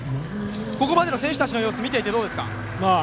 ここまでの選手のプレーを見ていてどうですか。